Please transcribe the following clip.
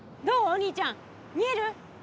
お兄ちゃん見える？